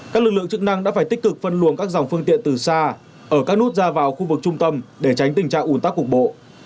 các lực lượng chức năng đã phải tích cực phân luồng các dòng phương tiện từ xa ở các nút ra vào khu vực trung tâm để tránh tình trạng ủn tắc cục bộ